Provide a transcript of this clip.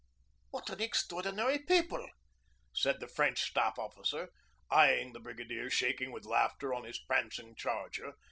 _' 'What an extraordinary people!' said the French staff officer, eyeing the brigadier shaking with laughter on his prancing charger.